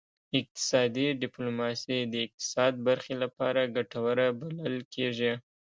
اقتصادي ډیپلوماسي د اقتصاد برخې لپاره ګټوره بلل کیږي